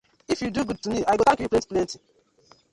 If yu do good to me, I go tank yu plenty plenty.